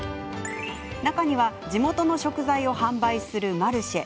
中には、地元の食材を販売するマルシェ。